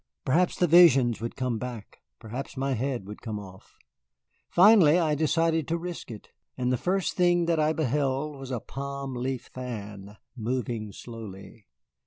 Perhaps the visions would come back, perhaps my head would come off. Finally I decided to risk it, and the first thing that I beheld was a palm leaf fan, moving slowly.